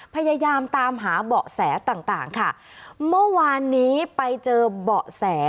พยายามตามหาเบาะแสต่างต่างค่ะเมื่อวานนี้ไปเจอเบาะแส